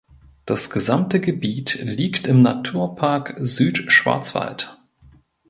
Das gesamte Gebiet liegt im Naturpark Südschwarzwald.